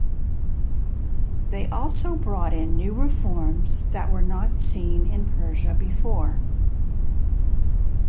They also brought in new reforms that were not seen in Persia before.